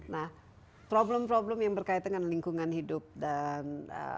nah problem problem yang berkaitan dengan lingkungan hidup dan